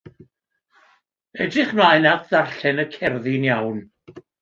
Edrych mlaen at ddarllen y cerddi'n iawn.